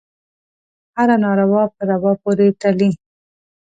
هره ناروا په روا پورې تړي.